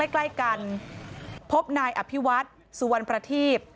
ใกล้กันพบนายอภิวัฒน์สุวรรณประทีพ